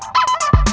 kau mau kemana